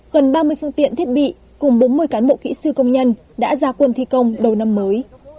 gần ba mươi phương tiện thiết bị cùng bốn mươi cán bộ kỹ sư công nhân đã ra quân thi công đầu năm mới